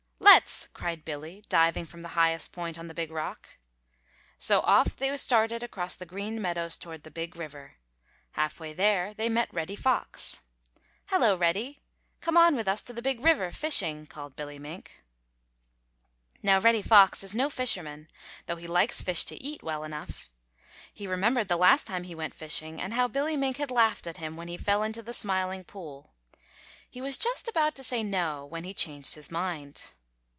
"Let's!" cried Billy, diving from the highest point on the Big Rock. So off they started across the Green Meadows towards the Big River. Half way there they met Reddy Fox. "Hello, Reddy! Come on with us to the Big River, fishing," called Billy Mink. [Illustration: "Come on with us to the Big River, fishing," called Billy Mink.] Now Reddy Fox is no fisherman, though he likes fish to eat well enough. He remembered the last time he went fishing and how Billy Mink had laughed at him when he fell into the Smiling Pool. He was just about to say "no" when he changed his mind.